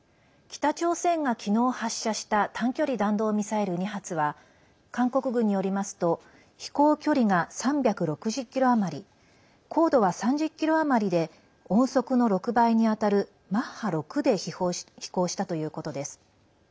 北朝鮮が昨日、発射した短距離弾道ミサイル２発は韓国軍によりますと飛行距離が３６０ｋｍ余り高度は３０ｋｍ余りで音速の６倍にあたるマッハ６で飛行したということです。